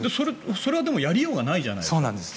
それはでもやりようがないじゃないですか。